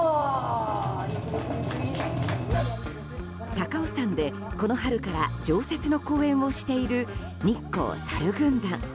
高尾山で、この春から常設の公演をしている日光さる軍団。